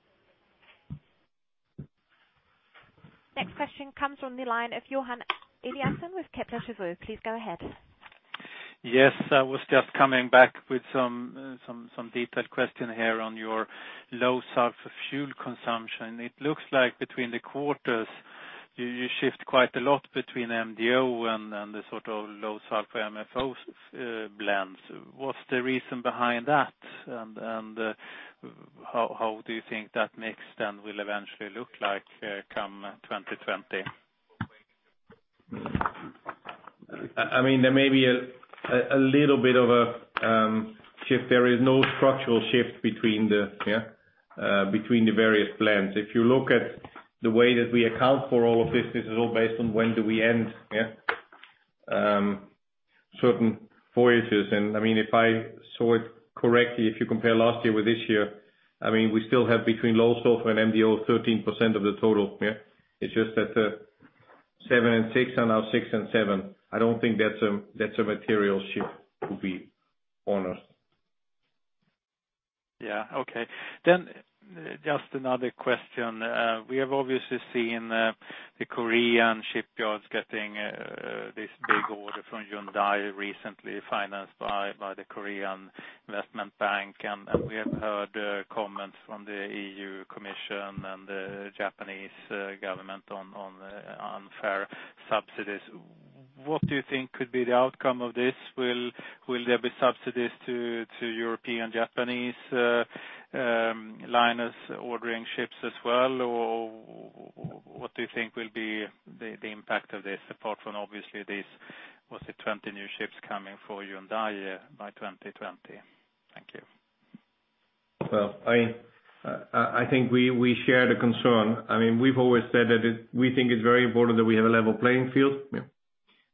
Next question comes from the line of Johan Eliason with Kepler Cheuvreux. Please go ahead. Yes, I was just coming back with some detailed question here on your low sulfur fuel consumption. It looks like between the quarters, you shift quite a lot between MDO and the sort of low sulfur MFOs blends. What's the reason behind that? How do you think that mix then will eventually look like come 2020? I mean, there may be a little bit of a shift. There is no structural shift between the various blends. If you look at the way that we account for all of this is all based on when do, we end certain voyages. I mean, if I saw it correctly, if you compare last year with this year, I mean, we still have between low sulfur and MDO, 13% of the total. It's just that, 7% and 6% are now 6% and 7%. I don't think that's a material shift to be honest. Yeah. Okay. Just another question. We have obviously seen the Korean shipyards getting this big order from HMM recently financed by the Korea Development Bank. And we have heard comments from the European Commission and the Japanese government on fair subsidies. What do you think could be the outcome of this? Will there be subsidies to European, Japanese liners ordering ships as well? Or what do you think will be the impact of this apart from, obviously, this, was it 20 new ships coming for HMM by 2020? Thank you. Well, I think we share the concern. I mean, we've always said that it. We think it's very important that we have a level playing field. Yeah.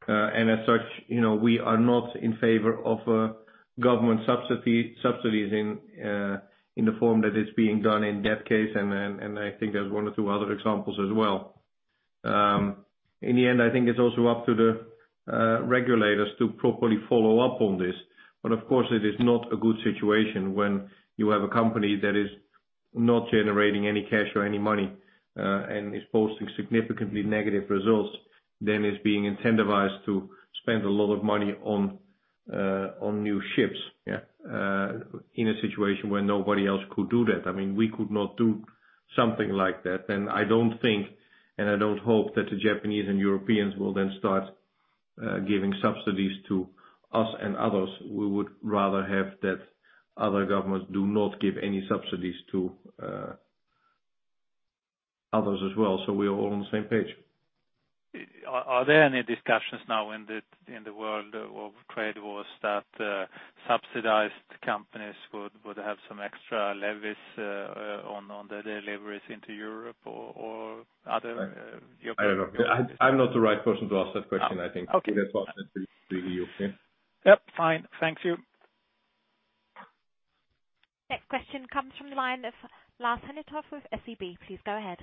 As such, you know, we are not in favor of government subsidies in the form that it's being done in that case. Then I think there's one or two other examples as well. In the end, I think it's also up to the regulators to properly follow up on this. Of course, it is not a good situation when you have a company that is not generating any cash or any money and is posting significantly negative results, then is being incentivized to spend a lot of money on new ships in a situation where nobody else could do that. I mean, we could not do something like that. I don't think and I don't hope that the Japanese and Europeans will then start giving subsidies to us and others. We would rather have that other governments do not give any subsidies to others as well. We're all on the same page. Are there any discussions now in the world of trade wars that subsidized companies would have some extra levies on the deliveries into Europe or other Europe? I don't know. I'm not the right person to ask that question, I think. Okay. You can ask that to the E.U. Yeah. Yep. Fine. Thank you. Next question comes from the line of Lars Heindorff with SEB. Please go ahead.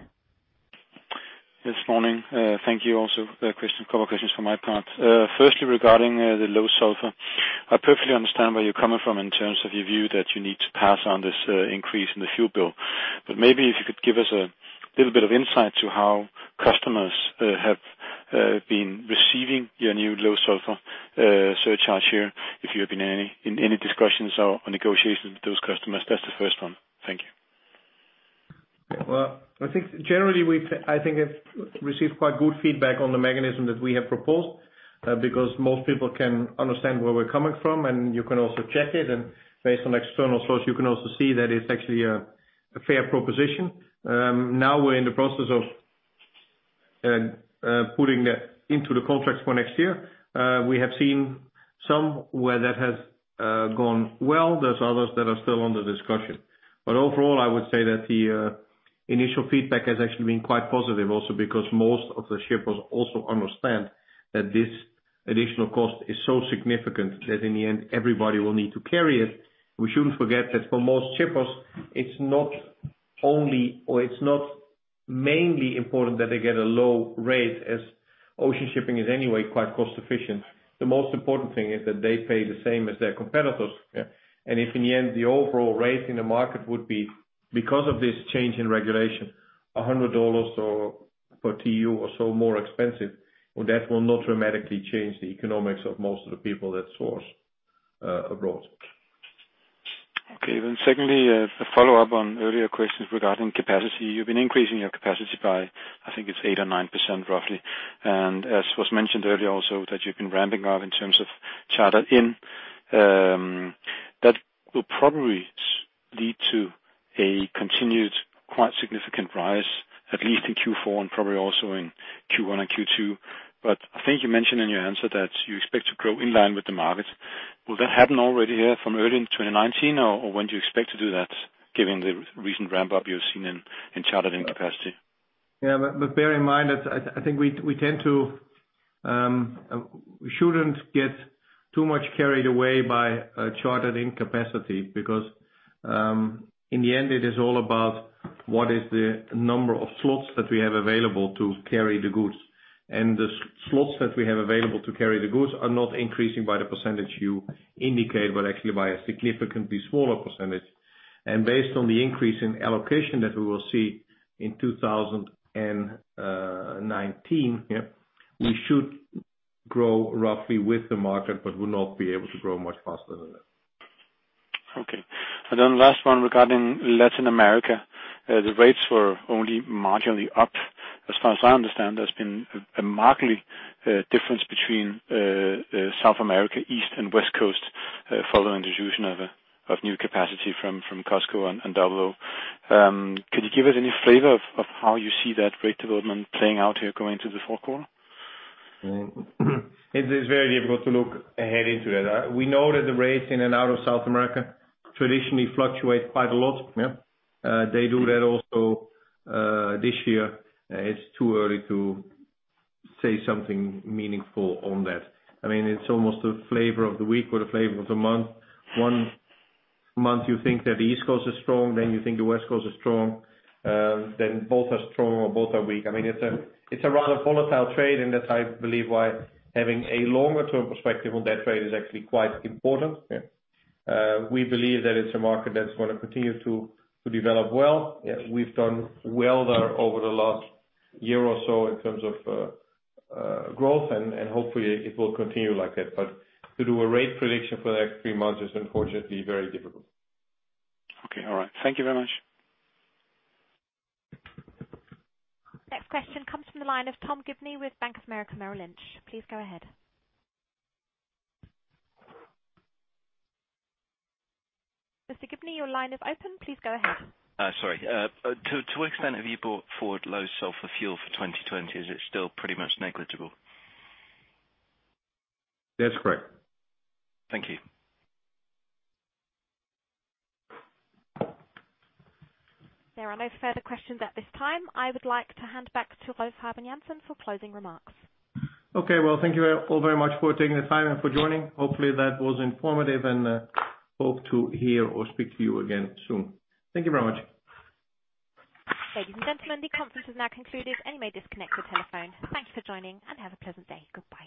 This morning, thank you also. Rolf, couple questions from my part. Firstly, regarding the low sulfur. I perfectly understand where you're coming from in terms of your view that you need to pass on this increase in the fuel bill. Maybe if you could give us a little bit of insight to how customers have been receiving your new low sulfur surcharge here, if you have been in any discussions or negotiations with those customers. That's the first one. Thank you. Well, I think generally we have received quite good feedback on the mechanism that we have proposed, because most people can understand where we're coming from, and you can also check it, and based on external source, you can also see that it's actually a fair proposition. Now we're in the process of putting that into the contracts for next year. We have seen somewhere that has gone well. There's others that are still under discussion. Overall, I would say that the initial feedback has actually been quite positive also because most of the shippers also understand that this additional cost is so significant that in the end, everybody will need to carry it. We shouldn't forget that for most shippers, it's not only, or it's not mainly important that they get a low rate as ocean shipping is anyway quite cost efficient. The most important thing is that they pay the same as their competitors. Yeah. If in the end, the overall rate in the market would be because of this change in regulation, $100 per TEU or so more expensive, well, that will not dramatically change the economics of most of the people that source abroad. Okay. Secondly, a follow-up on earlier questions regarding capacity. You've been increasing your capacity by, I think it's 8% or 9% roughly, and as was mentioned earlier also that you've been ramping up in terms of charter in, that will probably lead to a continued quite significant rise, at least in Q4 and probably also in Q1 and Q2. I think you mentioned in your answer that you expect to grow in line with the market. Will that happen already here from early in 2019 or when do you expect to do that, given the recent ramp up you've seen in charter in capacity? Yeah. Bear in mind, we shouldn't get too much carried away by charter-in capacity because in the end, it is all about what is the number of slots that we have available to carry the goods. The slots that we have available to carry the goods are not increasing by the percentage you indicate, but actually by a significantly smaller percentage. Based on the increase in allocation that we will see in 2019, we should grow roughly with the market but will not be able to grow much faster than that. Okay. Last one regarding Latin America. The rates were only marginally up. As far as I understand, there's been a marked difference between South America East and West Coast, following the introduction of new capacity from COSCO and Double O. Could you give us any flavor of how you see that rate development playing out here going into the fourth quarter? It is very difficult to look ahead into that. We know that the rates in and out of South America traditionally fluctuate quite a lot. Yeah. They do that also this year. It's too early to say something meaningful on that. I mean, it's almost a flavor of the week or the flavor of the month. One month you think that the East Coast is strong, then you think the West Coast is strong, then both are strong or both are weak. I mean, it's a rather volatile trade, and that's, I believe why having a longer term perspective on that trade is actually quite important. Yeah. We believe that it's a market that's gonna continue to develop well. Yeah. We've done well there over the last year or so in terms of growth and hopefully it will continue like that, but to do a rate prediction for the next three months is unfortunately very difficult. Okay. All right. Thank you very much. Next question comes from the line of Tom Gibney with Bank of America Merrill Lynch. Please go ahead. Mr. Gibney, your line is open. Please go ahead. To what extent have you brought forward low-sulfur fuel for 2020? Is it still pretty much negligible? That's correct. Thank you. There are no further questions at this time. I would like to hand back to Rolf Habben Jansen for closing remarks. Okay. Well, thank you all very much for taking the time and for joining. Hopefully, that was informative and, hope to hear or speak to you again soon. Thank you very much. Ladies and gentlemen, the conference is now concluded and you may disconnect your telephone. Thank you for joining, and have a pleasant day. Goodbye.